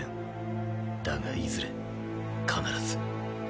だがいずれ必ず。